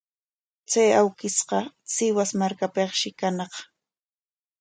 Chay awkishqa Sihuas markapikshi kañaq.